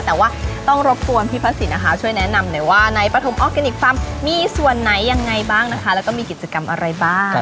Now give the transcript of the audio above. แต่ว่าต้องรบกวนพี่พระสินนะคะช่วยแนะนำหน่อยว่าในปฐมออร์แกนิคฟาร์มมีส่วนไหนยังไงบ้างนะคะแล้วก็มีกิจกรรมอะไรบ้าง